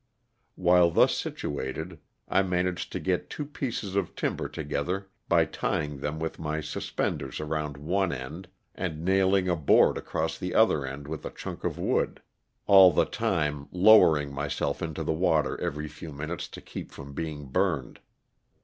While thus situated I managed to get two pieces of timber together by tying them with my suspenders around one end and nailing a board across the other end with a chunk of wood ; all the time lowering 364 LOSS OF THE SULTANA. myself into the water every few minutes to keep from being burned.